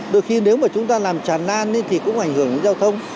đôi khi nếu mà chúng ta làm trà nan thì cũng ảnh hưởng đến giao thông